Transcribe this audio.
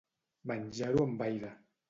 Menjar-ho amb aire.